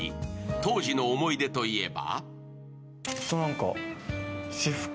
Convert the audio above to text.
当時の思い出といえば？